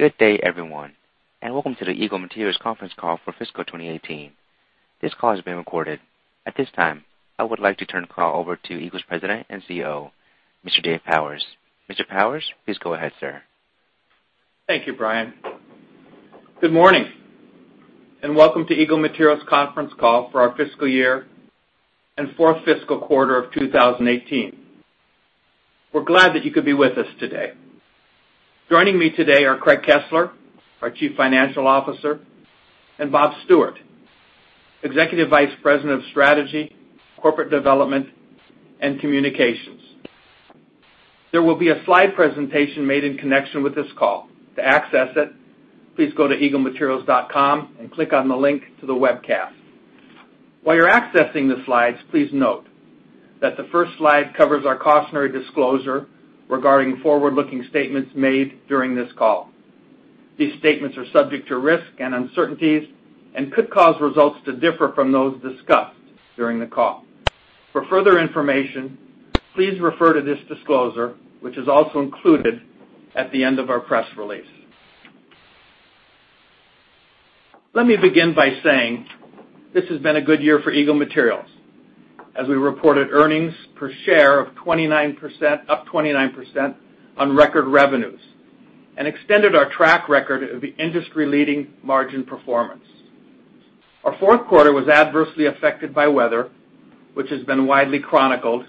Good day, everyone. Welcome to the Eagle Materials conference call for fiscal 2018. This call is being recorded. At this time, I would like to turn the call over to Eagle's President and CEO, Mr. Dave Powers. Mr. Powers, please go ahead, sir. Thank you, Brian. Good morning. Welcome to Eagle Materials conference call for our fiscal year and fourth fiscal quarter of 2018. We're glad that you could be with us today. Joining me today are Craig Kesler, our Chief Financial Officer, and Bob Stewart, Executive Vice President of Strategy, Corporate Development, and Communications. There will be a slide presentation made in connection with this call. To access it, please go to eaglematerials.com and click on the link to the webcast. While you're accessing the slides, please note that the first slide covers our cautionary disclosure regarding forward-looking statements made during this call. These statements are subject to risk and uncertainties and could cause results to differ from those discussed during the call. For further information, please refer to this disclosure, which is also included at the end of our press release. Let me begin by saying this has been a good year for Eagle Materials as we reported earnings per share of 29%, up 29% on record revenues, extended our track record of the industry-leading margin performance. Our fourth quarter was adversely affected by weather, which has been widely chronicled.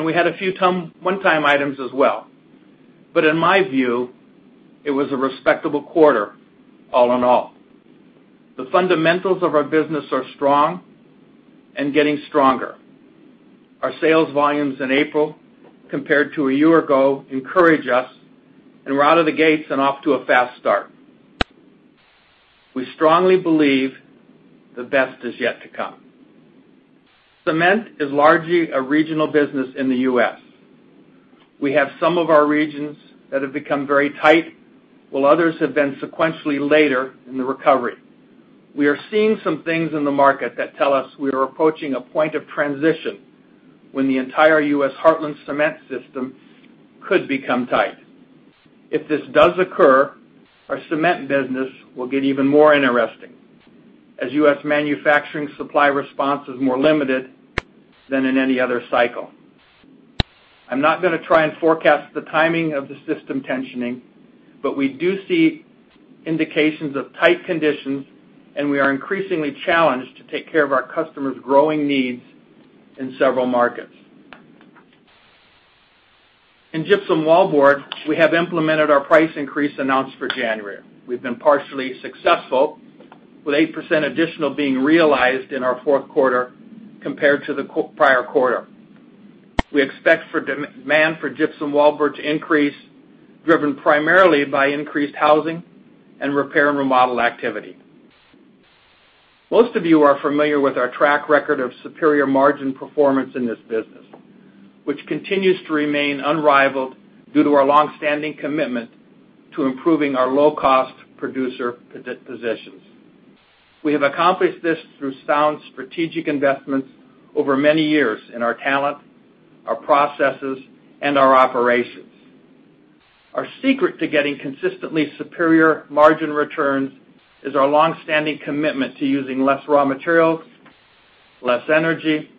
We had a few one-time items as well. In my view, it was a respectable quarter all in all. The fundamentals of our business are strong and getting stronger. Our sales volumes in April compared to a year ago encourage us. We're out of the gates and off to a fast start. We strongly believe the best is yet to come. Cement is largely a regional business in the U.S. We have some of our regions that have become very tight, while others have been sequentially later in the recovery. We are seeing some things in the market that tell us we are approaching a point of transition when the entire U.S. Heartland cement system could become tight. If this does occur, our cement business will get even more interesting as U.S. manufacturing supply response is more limited than in any other cycle. I'm not gonna try and forecast the timing of the system tensioning. We do see indications of tight conditions. We are increasingly challenged to take care of our customers' growing needs in several markets. In Gypsum Wallboard, we have implemented our price increase announced for January. We've been partially successful, with 8% additional being realized in our fourth quarter compared to the prior quarter. We expect for demand for Gypsum Wallboard to increase, driven primarily by increased housing and repair and remodel activity. Most of you are familiar with our track record of superior margin performance in this business, which continues to remain unrivaled due to our longstanding commitment to improving our low-cost producer positions. We have accomplished this through sound strategic investments over many years in our talent, our processes, and our operations. Our secret to getting consistently superior margin returns is our longstanding commitment to using less raw materials, less energy,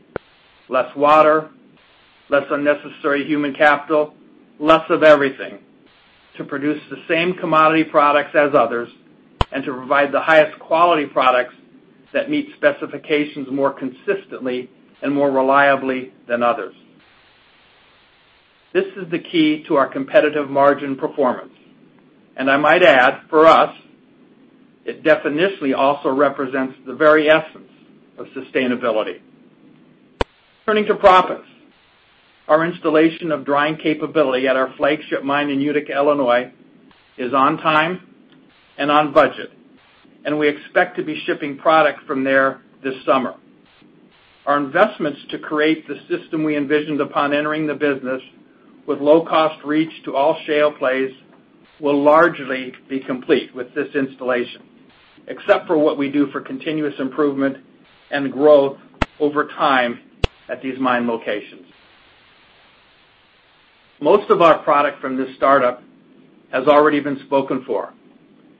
less water, less unnecessary human capital, less of everything to produce the same commodity products as others and to provide the highest quality products that meet specifications more consistently and more reliably than others. This is the key to our competitive margin performance, and I might add, for us, it definitionally also represents the very essence of sustainability. Turning to proppants, our installation of drying capability at our flagship mine in Utica, Illinois, is on time and on budget, and we expect to be shipping product from there this summer. Our investments to create the system we envisioned upon entering the business with low-cost reach to all shale plays will largely be complete with this installation, except for what we do for continuous improvement and growth over time at these mine locations. Most of our product from this startup has already been spoken for,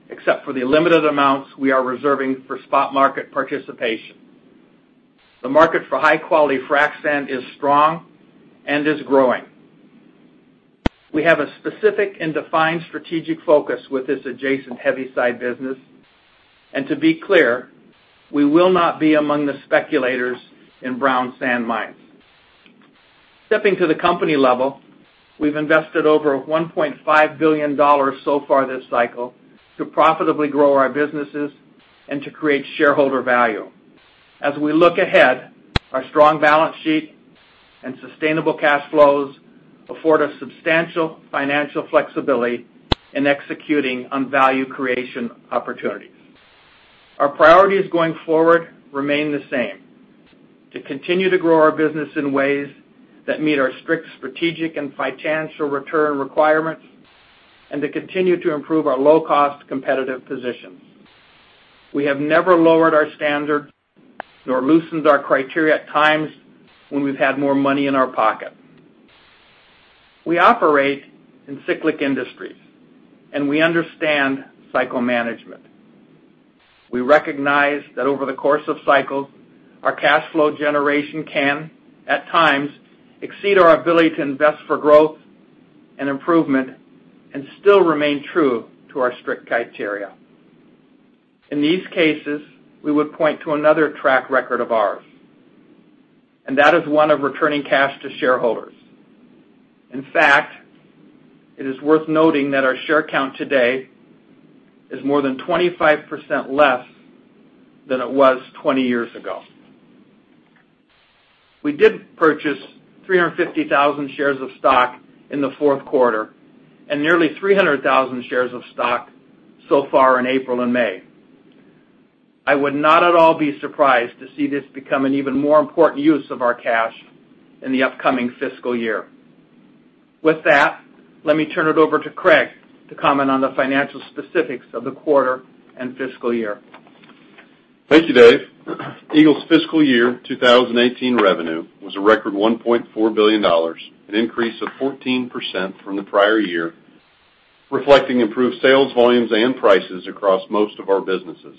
except for the limited amounts we are reserving for spot market participation. The market for high-quality frac sand is strong and is growing. We have a specific and defined strategic focus with this adjacent heavy side business. To be clear, we will not be among the speculators in brown sand mines. Stepping to the company level, we've invested over $1.5 billion so far this cycle to profitably grow our businesses and to create shareholder value. As we look ahead, our strong balance sheet and sustainable cash flows afford us substantial financial flexibility in executing on value creation opportunities. Our priorities going forward remain the same, to continue to grow our business in ways that meet our strict strategic and financial return requirements and to continue to improve our low-cost, competitive positions. We have never lowered our standard nor loosened our criteria at times when we've had more money in our pocket. We operate in cyclic industries, and we understand cycle management. We recognize that over the course of cycles, our cash flow generation can, at times, exceed our ability to invest for growth and improvement and still remain true to our strict criteria. In these cases, we would point to another track record of ours, and that is one of returning cash to shareholders. In fact, it is worth noting that our share count today is more than 25% less than it was 20 years ago. We did purchase 350,000 shares of stock in the fourth quarter, and nearly 300,000 shares of stock so far in April and May. I would not at all be surprised to see this become an even more important use of our cash in the upcoming fiscal year. With that, let me turn it over to Craig to comment on the financial specifics of the quarter and fiscal year. Thank you, Dave. Eagle's fiscal year 2018 revenue was a record $1.4 billion, an increase of 14% from the prior year, reflecting improved sales volumes and prices across most of our businesses.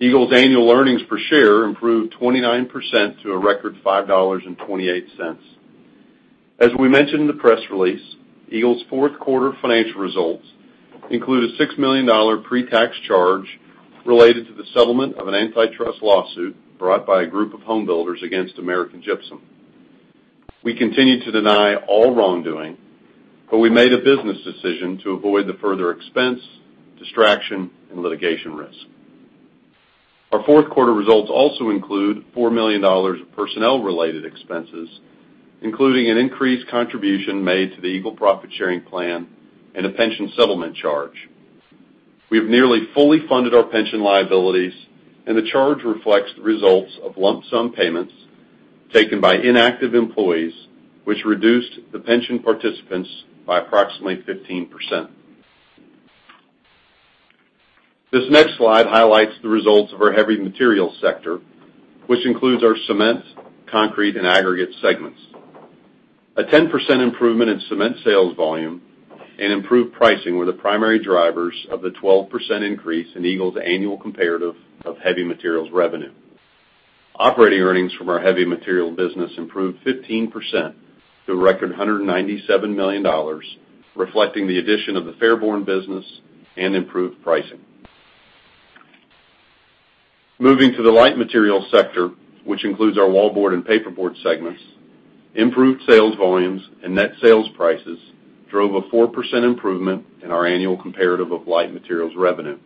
Eagle's annual earnings per share improved 29% to a record $5.28. As we mentioned in the press release, Eagle's fourth quarter financial results include a $6 million pre-tax charge related to the settlement of an antitrust lawsuit brought by a group of home builders against American Gypsum. We continue to deny all wrongdoing, but we made a business decision to avoid the further expense, distraction, and litigation risk. Our fourth quarter results also include $4 million of personnel-related expenses, including an increased contribution made to the Eagle profit-sharing plan and a pension settlement charge. We have nearly fully funded our pension liabilities, The charge reflects the results of lump sum payments taken by inactive employees, which reduced the pension participants by approximately 15%. This next slide highlights the results of our heavy materials sector, which includes our cement, concrete, and aggregate segments. A 10% improvement in cement sales volume and improved pricing were the primary drivers of the 12% increase in Eagle's annual comparative of heavy materials revenue. Operating earnings from our heavy material business improved 15% to a record $197 million, reflecting the addition of the Fairborn business and improved pricing. Moving to the light material sector, which includes our wallboard and paperboard segments, improved sales volumes and net sales prices drove a 4% improvement in our annual comparative of light materials revenue.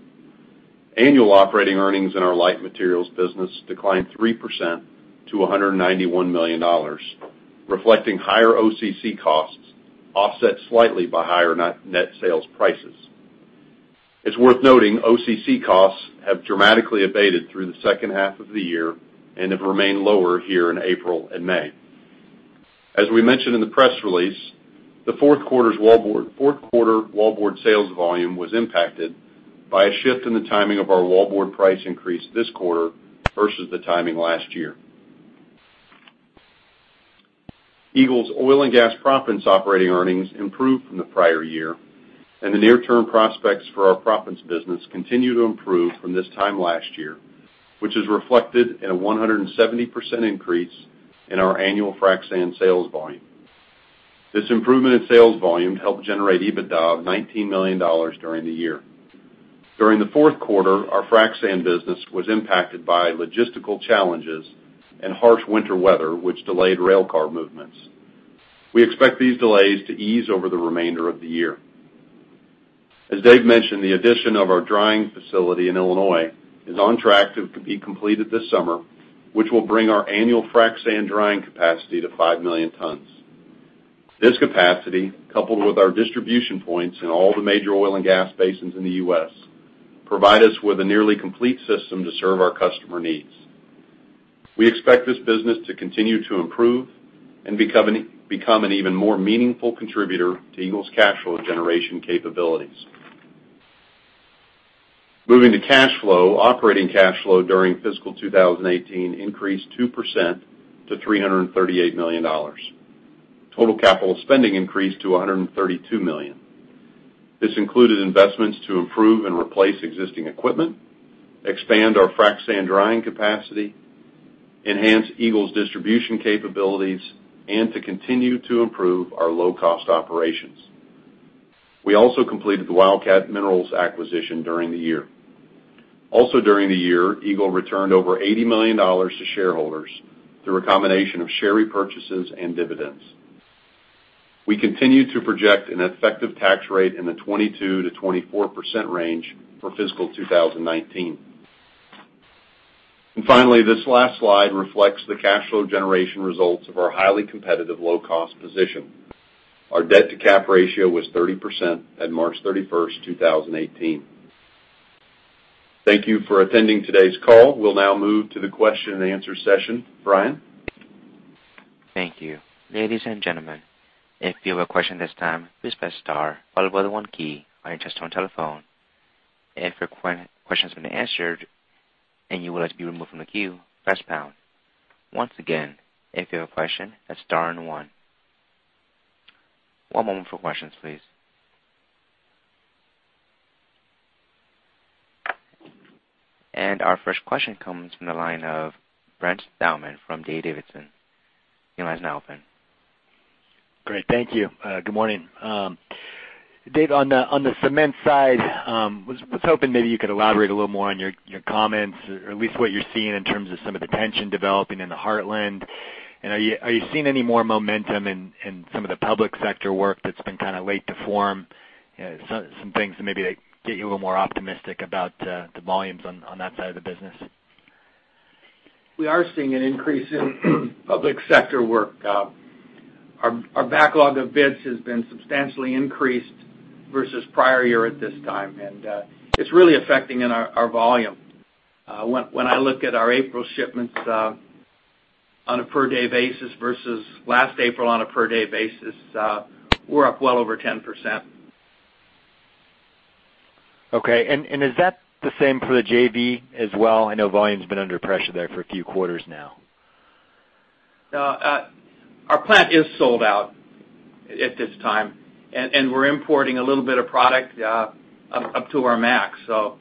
Annual operating earnings in our light materials business declined 3% to $191 million, reflecting higher OCC costs offset slightly by higher net sales prices. It's worth noting OCC costs have dramatically abated through the second half of the year and have remained lower here in April and May. As we mentioned in the press release, the fourth quarter wallboard sales volume was impacted by a shift in the timing of our wallboard price increase this quarter versus the timing last year. Eagle's oil and gas proppants operating earnings improved from the prior year, The near-term prospects for our proppants business continue to improve from this time last year, which is reflected in a 170% increase in our annual frac sand sales volume. This improvement in sales volume helped generate EBITDA of $19 million during the year. During the fourth quarter, our frac sand business was impacted by logistical challenges and harsh winter weather, which delayed railcar movements. We expect these delays to ease over the remainder of the year. As Dave mentioned, the addition of our drying facility in Illinois is on track to be completed this summer, which will bring our annual frac sand drying capacity to 5 million tons. This capacity, coupled with our distribution points in all the major oil and gas basins in the U.S., provide us with a nearly complete system to serve our customer needs. We expect this business to continue to improve and become an even more meaningful contributor to Eagle's cash flow generation capabilities. Moving to cash flow, operating cash flow during fiscal 2018 increased 2% to $338 million. Total capital spending increased to $132 million. This included investments to improve and replace existing equipment, expand our frac sand drying capacity, enhance Eagle's distribution capabilities, and to continue to improve our low-cost operations. We also completed the Wildcat Minerals acquisition during the year. Also, during the year, Eagle returned over $80 million to shareholders through a combination of share repurchases and dividends. We continue to project an effective tax rate in the 22%-24% range for fiscal 2019. Finally, this last slide reflects the cash flow generation results of our highly competitive low cost position. Our debt to cap ratio was 30% at March 31st, 2018. Thank you for attending today's call. We'll now move to the question and answer session. Brian? Thank you. Ladies and gentlemen, if you have a question this time, please press star followed by the one key on your touch-tone telephone. If your question has been answered and you would like to be removed from the queue, press pound. Once again, if you have a question, press star and one. One moment for questions, please. Our first question comes from the line of Brent Thielman from D.A. Davidson. Your line is now open. Great. Thank you. Good morning. Dave, on the cement side, was hoping maybe you could elaborate a little more on your comments or at least what you're seeing in terms of some of the tension developing in the Heartland. Are you seeing any more momentum in some of the public sector work that's been kind of late to form, some things that maybe that get you a little more optimistic about the volumes on that side of the business? We are seeing an increase in public sector work. Our backlog of bids has been substantially increased versus prior year at this time. It's really affecting our volume. When I look at our April shipments on a per day basis versus last April on a per day basis, we're up well over 10%. Okay. Is that the same for the JV as well? I know volume's been under pressure there for a few quarters now. Our plant is sold out at this time, and we're importing a little bit of product up to our max. We're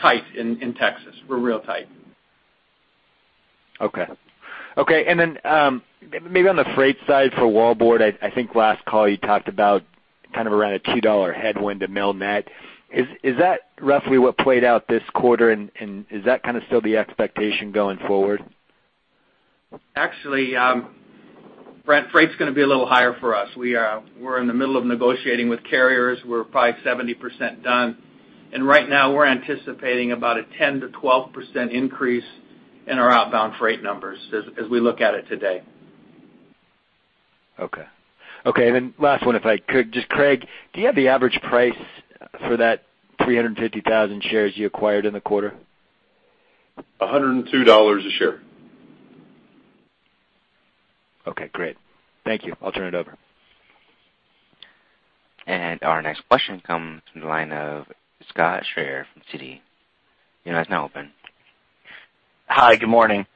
tight in Texas. We're real tight. Okay. Maybe on the freight side for wallboard, I think last call you talked about kind of around a $2 headwind to mill net. Is that roughly what played out this quarter and is that kind of still the expectation going forward? Actually, Brent, freight is going to be a little higher for us. We're in the middle of negotiating with carriers. We're probably 70% done. Right now we're anticipating about a 10%-12% increase in our outbound freight numbers as we look at it today. Okay. Last one, if I could, just Craig, do you have the average price for that 350,000 shares you acquired in the quarter? $102 a share. Okay, great. Thank you. I'll turn it over. Our next question comes from the line of Scott Schrier from Citi. Your line is now open. Hi, good morning.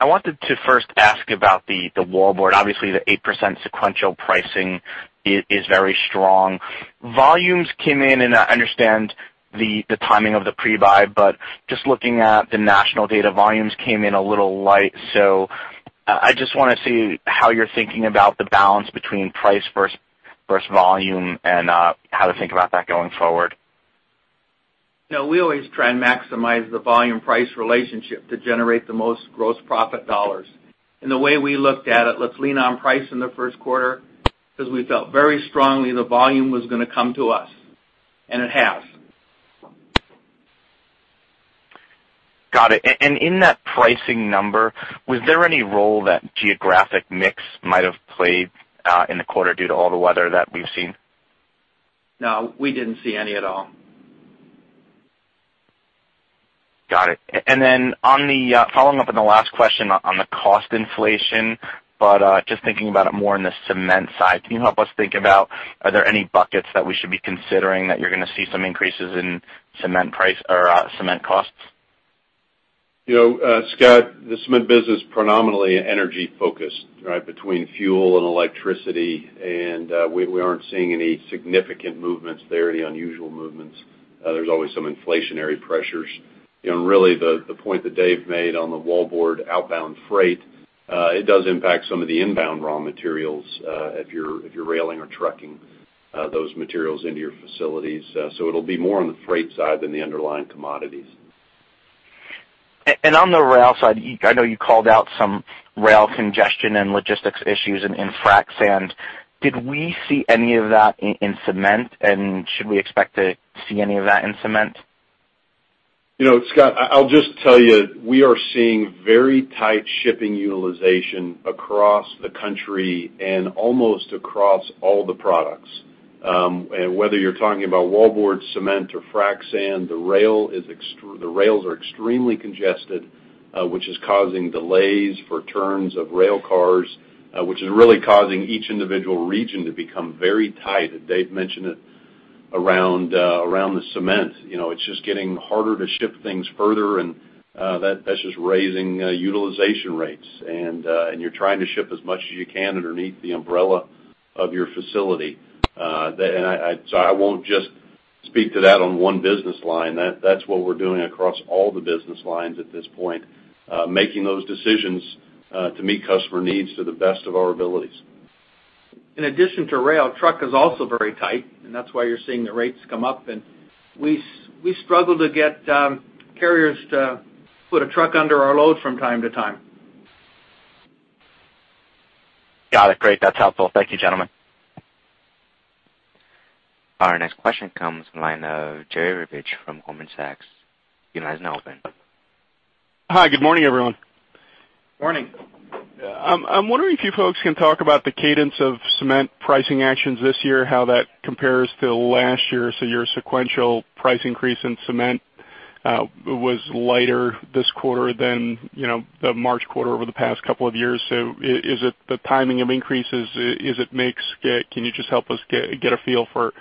I wanted to first ask about the wallboard. Obviously, the 8% sequential pricing is very strong. Volumes came in, and I understand the timing of the pre-buy, but just looking at the national data, volumes came in a little light. I just want to see how you're thinking about the balance between price versus volume and how to think about that going forward. We always try and maximize the volume price relationship to generate the most gross profit dollars. The way we looked at it, let's lean on price in the first quarter because we felt very strongly the volume was going to come to us. It has. Got it. In that pricing number, was there any role that geographic mix might have played in the quarter due to all the weather that we've seen? No, we didn't see any at all. Got it. Following up on the last question on the cost inflation, just thinking about it more in the cement side, can you help us think about, are there any buckets that we should be considering that you're going to see some increases in cement price or cement costs? Scott, the cement business is predominantly energy focused, between fuel and electricity, we aren't seeing any significant movements there, any unusual movements. There's always some inflationary pressures. Really, the point that Dave made on the wallboard outbound freight, it does impact some of the inbound raw materials, if you're railing or trucking those materials into your facilities. It'll be more on the freight side than the underlying commodities. On the rail side, I know you called out some rail congestion and logistics issues in frac sand. Did we see any of that in cement? Should we expect to see any of that in cement? Scott, I'll just tell you, we are seeing very tight shipping utilization across the country almost across all the products. Whether you're talking about wallboard, cement or frac sand, the rails are extremely congested, which is causing delays for turns of rail cars, which is really causing each individual region to become very tight. Dave mentioned it around the cement. It's just getting harder to ship things further, that's just raising utilization rates. You're trying to ship as much as you can underneath the umbrella of your facility. I won't just speak to that on one business line. That's what we're doing across all the business lines at this point, making those decisions to meet customer needs to the best of our abilities. In addition to rail, truck is also very tight. That's why you're seeing the rates come up. We struggle to get carriers to put a truck under our load from time to time. Got it. Great. That's helpful. Thank you, gentlemen. Our next question comes from the line of Jerry Revich from Goldman Sachs. Your line is now open. Hi, good morning, everyone. Morning. I'm wondering if you folks can talk about the cadence of cement pricing actions this year, how that compares to last year. Your sequential price increase in cement was lighter this quarter than the March quarter over the past couple of years. Is it the timing of increases? Can you just help us get a feel for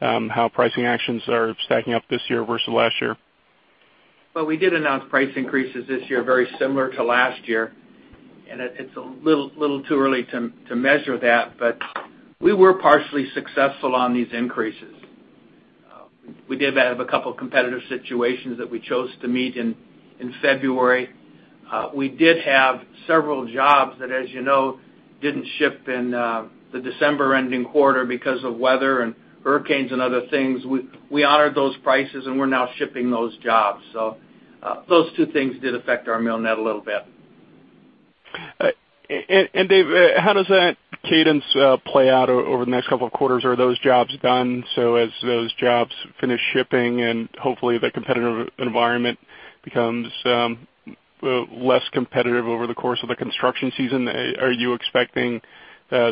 how pricing actions are stacking up this year versus last year? Well, we did announce price increases this year, very similar to last year, and it's a little too early to measure that, but we were partially successful on these increases. We did have a couple competitive situations that we chose to meet in February. We did have several jobs that, as you know, didn't ship in the December-ending quarter because of weather and hurricanes and other things. We honored those prices, and we're now shipping those jobs. Those two things did affect our mill net a little bit. Dave, how does that cadence play out over the next couple of quarters? Are those jobs done, so as those jobs finish shipping and hopefully the competitive environment becomes less competitive over the course of the construction season, are you expecting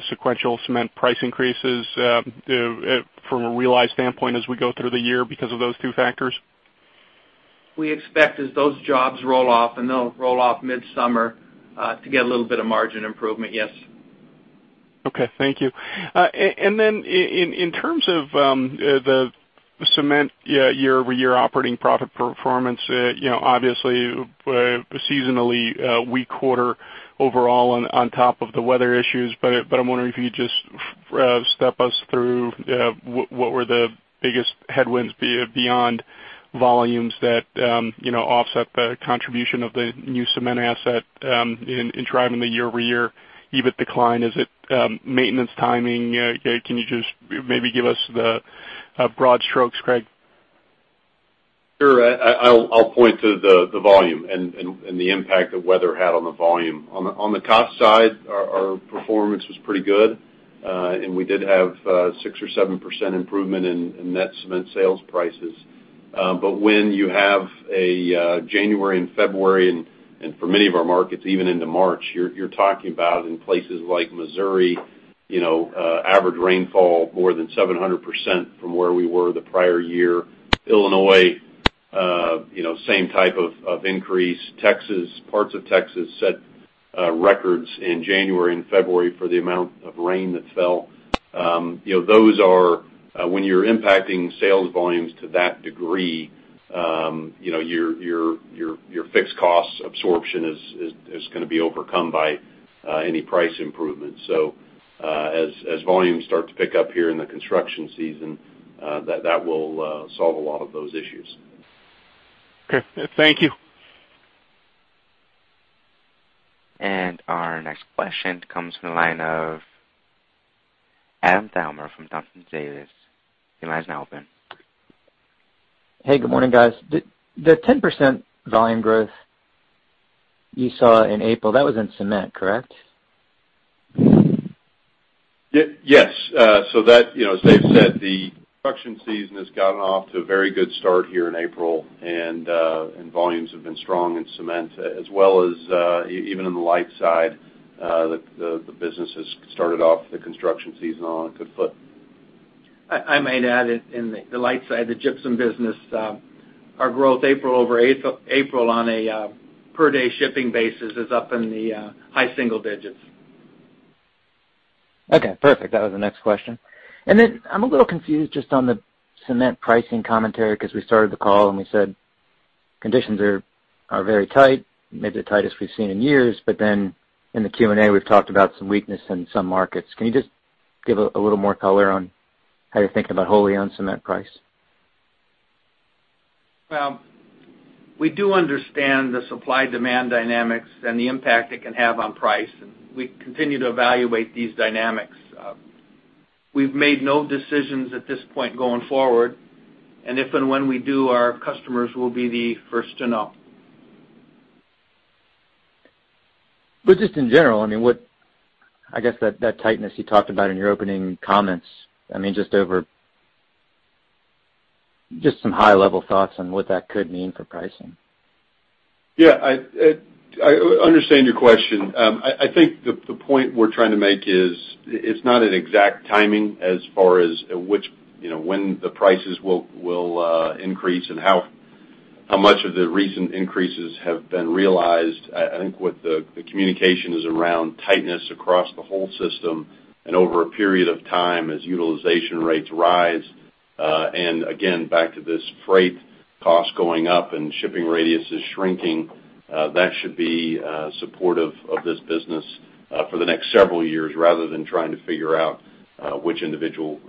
sequential cement price increases from a realized standpoint as we go through the year because of those two factors? We expect as those jobs roll off, and they'll roll off midsummer, to get a little bit of margin improvement, yes. Okay. Thank you. Then in terms of the cement year-over-year operating profit performance, obviously, a seasonally weak quarter overall on top of the weather issues. I'm wondering if you could just step us through what were the biggest headwinds beyond volumes that offset the contribution of the new cement asset in driving the year-over-year EBIT decline. Is it maintenance timing? Can you just maybe give us the broad strokes, Craig? Sure. I'll point to the volume and the impact that weather had on the volume. On the cost side, our performance was pretty good, and we did have 6 or 7% improvement in net cement sales prices. When you have a January and February, and for many of our markets, even into March, you're talking about in places like Missouri, average rainfall more than 700% from where we were the prior year. Illinois, same type of increase. Parts of Texas set records in January and February for the amount of rain that fell. When you're impacting sales volumes to that degree, your fixed cost absorption is going to be overcome by any price improvements. As volumes start to pick up here in the construction season, that will solve a lot of those issues. Okay. Thank you. Our next question comes from the line of Adam Thalhimer from Thompson Davis. Your line is now open. Hey, good morning, guys. The 10% volume growth you saw in April, that was in cement, correct? Yes. As Dave said, the production season has gotten off to a very good start here in April, and volumes have been strong in cement as well as even in the light side. The business has started off the construction season on a good foot. I might add in the light side, the gypsum business, our growth April on a per-day shipping basis is up in the high single digits. Okay, perfect. That was the next question. I'm a little confused just on the cement pricing commentary, because we started the call and we said conditions are very tight, maybe the tightest we've seen in years. In the Q&A, we've talked about some weakness in some markets. Can you just give a little more color on how you're thinking about wholly on cement price? Well, we do understand the supply-demand dynamics and the impact it can have on price, and we continue to evaluate these dynamics. We've made no decisions at this point going forward, and if and when we do, our customers will be the first to know. Just in general, I guess that tightness you talked about in your opening comments, just some high-level thoughts on what that could mean for pricing. Yeah. I understand your question. I think the point we're trying to make is it's not an exact timing as far as when the prices will increase and how much of the recent increases have been realized. I think what the communication is around tightness across the whole system and over a period of time as utilization rates rise. Again, back to this freight cost going up and shipping radius is shrinking, that should be supportive of this business for the next several years rather than trying to figure out which individual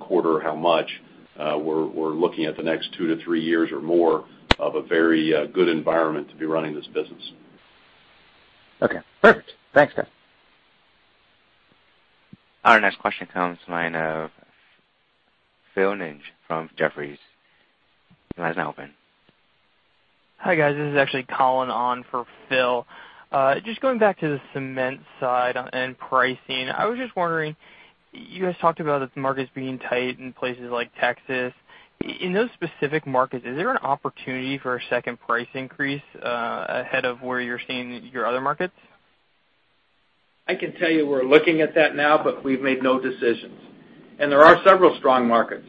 quarter, how much. We're looking at the next two to three years or more of a very good environment to be running this business. Okay, perfect. Thanks, guys. Our next question comes from the line of Philip Ng from Jefferies. Your line is now open. Hi, guys. This is actually Collin on for Phil. Just going back to the cement side and pricing. I was just wondering, you guys talked about the markets being tight in places like Texas. In those specific markets, is there an opportunity for a second price increase ahead of where you're seeing your other markets? I can tell you we're looking at that now, but we've made no decisions. There are several strong markets.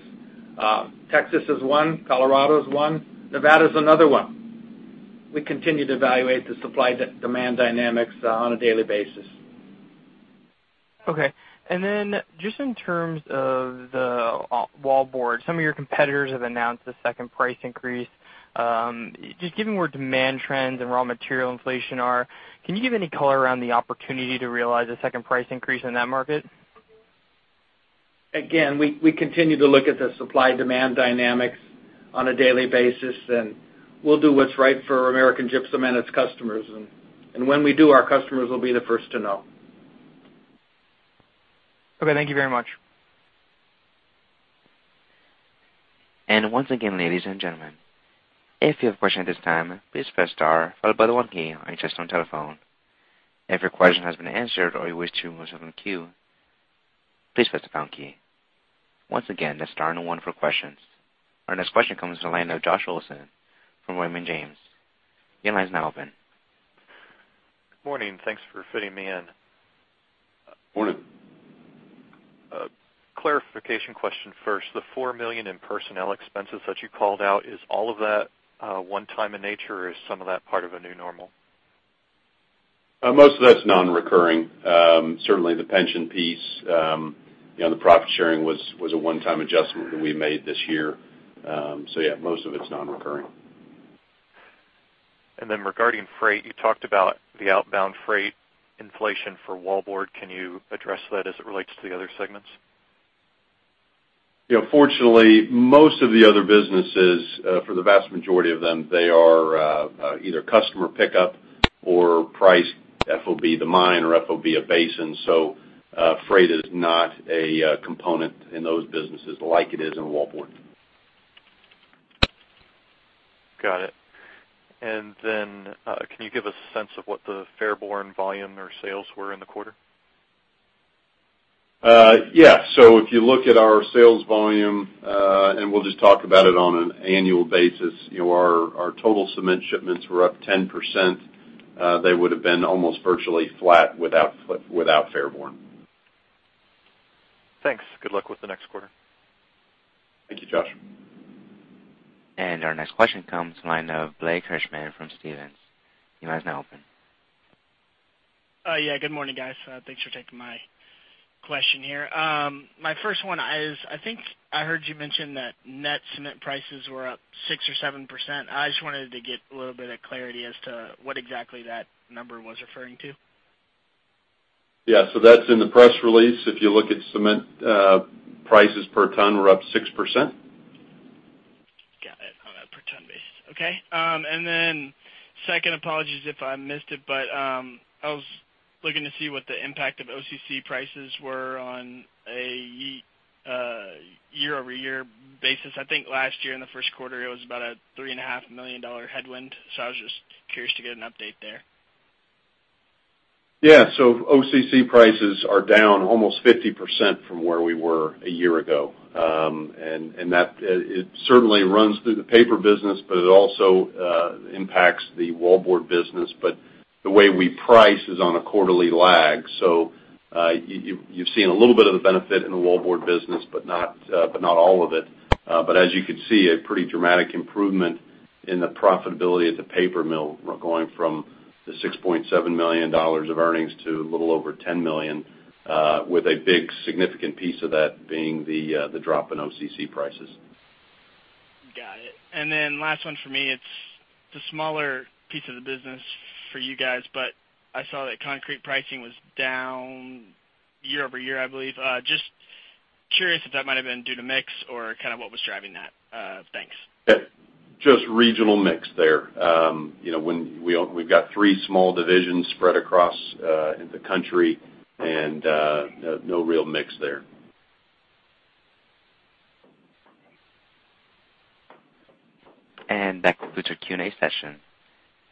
Texas is one, Colorado is one, Nevada's another one. We continue to evaluate the supply-demand dynamics on a daily basis. Okay. Just in terms of the wallboard, some of your competitors have announced a second price increase. Just given where demand trends and raw material inflation are, can you give any color around the opportunity to realize a second price increase in that market? Again, we continue to look at the supply-demand dynamics on a daily basis, and we'll do what's right for American Gypsum and its customers. When we do, our customers will be the first to know. Okay, thank you very much. Once again, ladies and gentlemen, if you have a question at this time, please press star followed by the one key on your touchtone telephone. If your question has been answered or you wish to withdraw from the queue, please press the pound key. Once again, that's star one for questions. Our next question comes from the line of Josh Olson from William Blair. Your line is now open. Good morning. Thanks for fitting me in. Morning. A clarification question first. The $4 million in personnel expenses that you called out, is all of that one-time in nature or is some of that part of a new normal? Most of that's non-recurring. Certainly the pension piece, the profit sharing was a one-time adjustment that we made this year. Yeah, most of it's non-recurring. Regarding freight, you talked about the outbound freight inflation for wallboard. Can you address that as it relates to the other segments? Fortunately, most of the other businesses, for the vast majority of them, they are either customer pickup or price FOB the mine or FOB a basin. Freight is not a component in those businesses like it is in wallboard. Got it. Can you give us a sense of what the Fairborn volume or sales were in the quarter? Yeah. If you look at our sales volume, and we'll just talk about it on an annual basis, our total cement shipments were up 10%. They would've been almost virtually flat without Fairborn. Thanks. Good luck with the next quarter. Thank you, Josh. Our next question comes from the line of Blake Hirschman from Stephens. Your line is now open. Yeah, good morning, guys. Thanks for taking my question here. My first one is, I think I heard you mention that net cement prices were up 6% or 7%. I just wanted to get a little bit of clarity as to what exactly that number was referring to. Yeah, that's in the press release. If you look at cement prices per ton, we're up 6%. Got it. On a per ton basis. Okay. Second, apologies if I missed it, but I was looking to see what the impact of OCC prices were on a year-over-year basis. I think last year in the first quarter it was about a three and a half million dollar headwind. I was just curious to get an update there. Yeah. OCC prices are down almost 50% from where we were a year ago. It certainly runs through the paper business, but it also impacts the wallboard business. The way we price is on a quarterly lag. You've seen a little bit of the benefit in the wallboard business, but not all of it. As you can see, a pretty dramatic improvement in the profitability at the paper mill. We're going from the $6.7 million of earnings to a little over $10 million, with a big significant piece of that being the drop in OCC prices. Got it. Last one for me. It's the smaller piece of the business for you guys, but I saw that concrete pricing was down year-over-year, I believe. Just curious if that might have been due to mix or what was driving that. Thanks. Yeah. Just regional mix there. We've got three small divisions spread across the country. No real mix there. That concludes our Q&A session.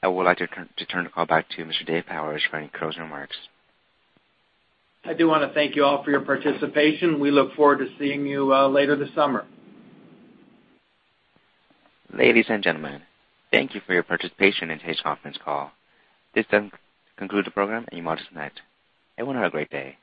I would like to turn the call back to Mr. Dave Powers for any closing remarks. I do want to thank you all for your participation. We look forward to seeing you later this summer. Ladies and gentlemen, thank you for your participation in today's conference call. This does conclude the program, and you may disconnect. Everyone have a great day.